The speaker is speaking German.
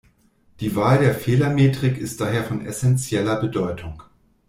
Die Wahl der Fehlermetrik ist daher von essenzieller Bedeutung.